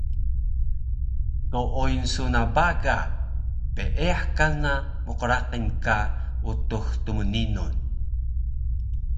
Dooyun su na baga peeyah kana mqraqil ka Utux Tmninun